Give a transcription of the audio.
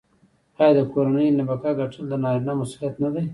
آیا د کورنۍ نفقه ګټل د نارینه مسوولیت نه دی؟